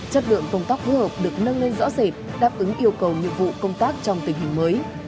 chất lượng công tác phối hợp được nâng lên rõ rệt đáp ứng yêu cầu nhiệm vụ công tác trong tình hình mới